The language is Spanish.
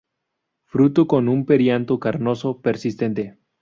Fruto con un perianto carnoso, persistente.